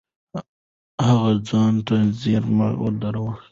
هغه ځان ته څېرمه ودرېد.